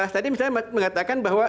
tadi misalnya mengatakan bahwa